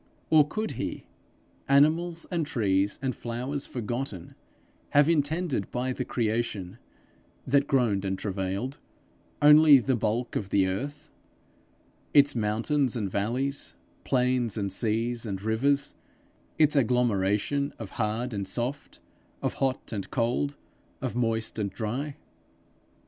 Or could he, animals and trees and flowers forgotten, have intended by the creation that groaned and travailed, only the bulk of the earth, its mountains and valleys, plains and seas and rivers, its agglomeration of hard and soft, of hot and cold, of moist and dry?